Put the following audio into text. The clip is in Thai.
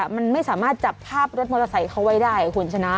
มันไม่สามารถจับภาพรถมอเตอร์ไซค์เขาไว้ได้คุณชนะ